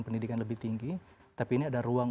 pendidikan lebih tinggi tapi ini ada ruang